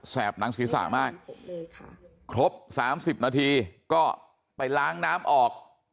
บหนังศีรษะมากครบ๓๐นาทีก็ไปล้างน้ำออก